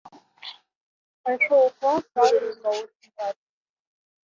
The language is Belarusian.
Пайшоў у клас разам з малодшым братам.